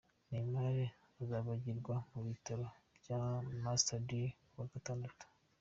Neymar azabagirwa mu bitaro bya Mater Dei ku wa Gatandatu.